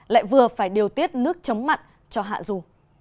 lại vừa phải điều tiết nước chống mặn cho hạ dù